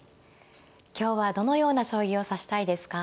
今日はどのような将棋を指したいですか。